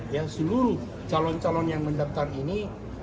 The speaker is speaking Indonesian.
ya seluruh calon calon yang mendaftar ini